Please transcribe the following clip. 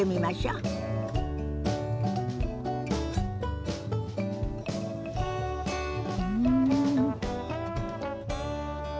うん。